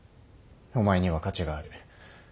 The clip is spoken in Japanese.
「お前には価値がある」